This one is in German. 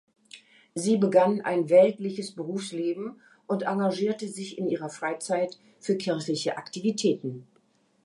Sie begann ein weltliches Berufsleben und engagierte sich in ihrer Freizeit für kirchliche Aktivitäten.